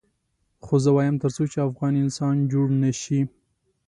خو زه وایم تر څو چې افغان انسان جوړ نه شي.